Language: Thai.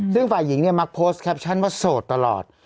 ซึ่งฝ่ายหญิงเนี่ยมักโพสต์แคปชั่นว่าโสดตลอด